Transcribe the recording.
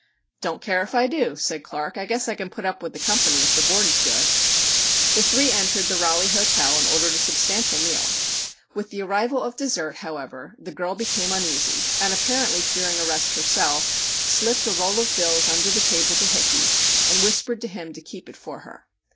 "Don't care if I do," said Clark. "I guess I can put up with the company if the board is good." The three entered the Raleigh Hotel and ordered a substantial meal. With the arrival of dessert, however, the girl became uneasy, and apparently fearing arrest herself, slipped a roll of bills under the table to "Hickey" and whispered to him to keep it for her.